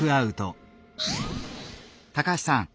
高橋さん